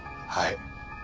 はい。